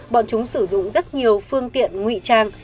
bọn chúng sử dụng rất nhiều phương tiện ngụy trang